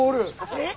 えっ！